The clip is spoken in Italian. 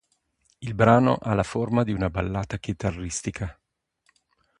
Il brano ha la forma di una ballata chitarristica.